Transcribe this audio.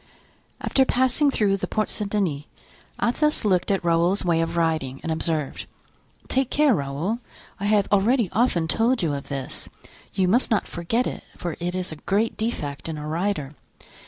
After passing through the Porte Saint Denis, Athos looked at Raoul's way of riding and observed: "Take care, Raoul! I have already often told you of this; you must not forget it, for it is a great defect in a rider.